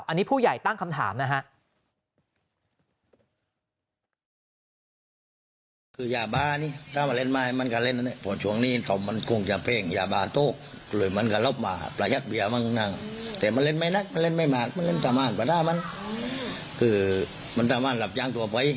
อันนี้ผู้ใหญ่ตั้งคำถามนะฮะ